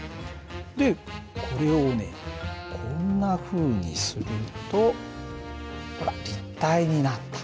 でこれをねこんなふうにするとほら立体になった。